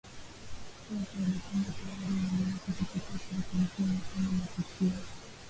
Sweke alisema tayari mamlaka kupitia Serikali kuu imefanya mapitio